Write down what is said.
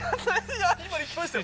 今いきましたよ！